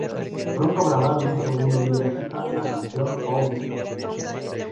Pronto grabaron un segundo vídeo musical, la canción "All This Time".